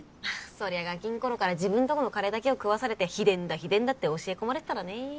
そりゃガキの頃から自分とこのカレーだけを食わされて秘伝だ秘伝だって教え込まれてたらね。